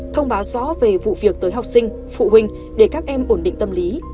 thông báo rõ về vụ việc tới học sinh phụ huynh để các em ổn định tâm lý